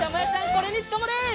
これにつかまれ！